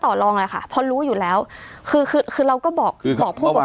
ลองเลยค่ะเพราะรู้อยู่แล้วคือคือเราก็บอกบอกผู้ปกครอง